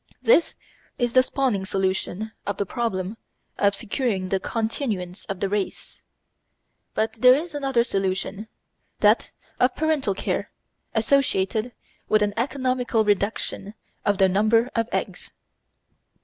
This is the spawning solution of the problem of securing the continuance of the race. But there is another solution, that of parental care associated with an economical reduction of the number of eggs.